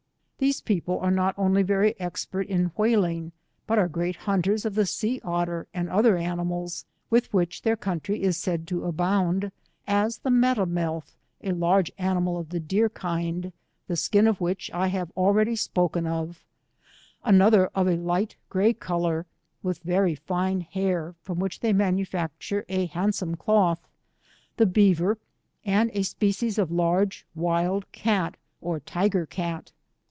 These people i 2 9^ sre not coly very expert ia whaling, but are great banters, of the sea otter and other animals, witlv which their country is said to abound, and the Meta Bielth a large animal of the deer hind, the skin of which I have already spoken of, another of a light grey colour, with very fine hair from which they jriacufacture a handsome cloth, the beaver, and a species of large wild cat, or tyger cat.